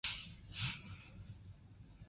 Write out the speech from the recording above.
自号玄静先生。